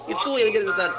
itu yang jadi cita citaan